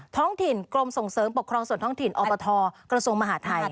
ท้องถิ่นกรมส่งเสริมปกครองส่วนท้องถิ่นอบทกระทรวงมหาทัย